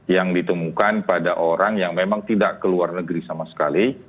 yang ditemukan pada orang yang memang tidak ke luar negeri sama sekali